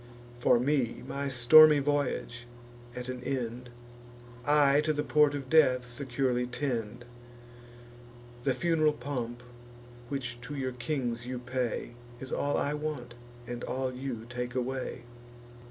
For me, my stormy voyage at an end, I to the port of death securely tend. The fun'ral pomp which to your kings you pay, Is all I want, and all you take away."